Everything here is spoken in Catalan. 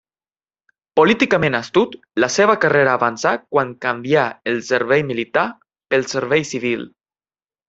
Políticament astut, la seva carrera avançà quan canvià el servei militar pel servei civil.